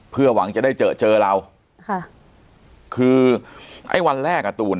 เพื่อหวังจะได้เจอเรา